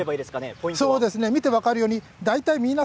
ポイントは？